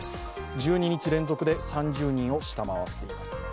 １２日連続で３０人を下回っています。